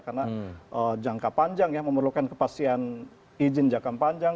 karena jangka panjang ya memerlukan kepastian izin jangka panjang